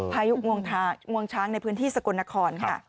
งวงช้างในพื้นที่สกลนครค่ะ